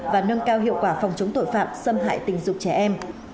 và nâng cao hiệu quả phòng chống tội phạm xâm hại tình dục trẻ em